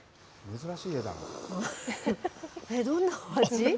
どんなお味？